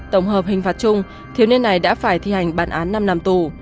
tổng hợp hình phạt chung thiếu niên này đã phải thi hành bản án năm năm tù